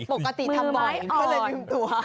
ปกติทำบ่อยเพื่อจะยืมตัว